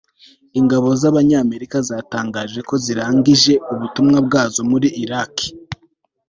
ingabo z'abanyamerika zatangaje ko zirangije ubutumwa bwazo muri iraki